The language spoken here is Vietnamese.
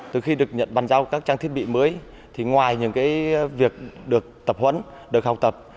từ khi được nhận bàn giao các trang thiết bị mới ngoài những việc được tập huấn được học tập